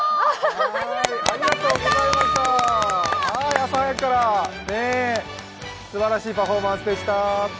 朝早くからすばらしいパフォーマンスでした。